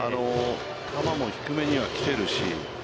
球も低めには来ているし。